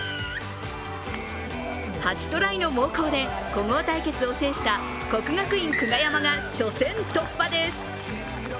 ８トライの猛攻で古豪対決を制した国学院久我山が初戦突破です。